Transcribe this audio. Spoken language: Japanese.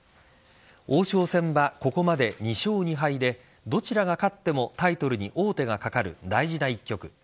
王将戦は、ここまで２勝２敗でどちらが勝ってもタイトルに王手がかかる大事な一局。